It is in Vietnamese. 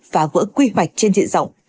phá vỡ quy hoạch trên diện rộng